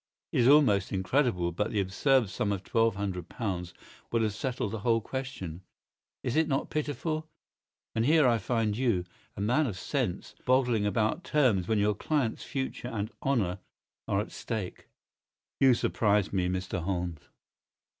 It is almost incredible, but the absurd sum of twelve hundred pounds would have settled the whole question. Is it not pitiful? And here I find you, a man of sense, boggling about terms when your client's future and honour are at stake. You surprise me, Mr. Holmes."